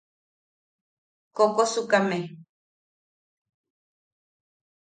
Kokosukame.